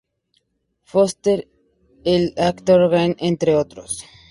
Foster en The Actor´s Gang, entre otros.